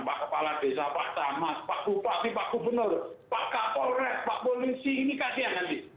pak kepala desa pak tamas pak bupati pak gubernur pak kapolres pak polisi ini kasihan nanti